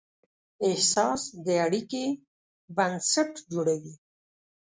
احساس د اړیکې بنسټ جوړوي.